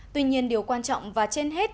tuy nhiên điều quan trọng và trên hết